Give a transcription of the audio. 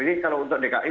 ini kalau untuk dki